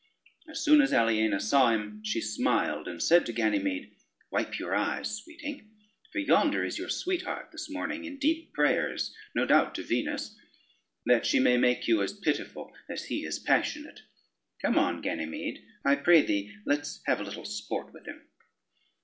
As soon as Aliena saw him, she smiled and said to Ganymede: "Wipe your eyes, sweeting, for yonder is your sweetheart this morning in deep prayers, no doubt, to Venus, that she may make you as pitiful as he is passionate. Come on, Ganymede, I pray thee, let's have a little sport with him."